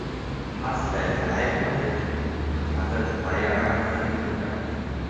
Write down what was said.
Hassler ist verheiratet und Vater dreier erwachsener Kinder.